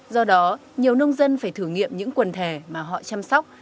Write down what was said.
do đó nhiều nông dân phải thử nghiệm những quần thể mà họ chăm sóc